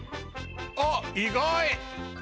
あっ意外！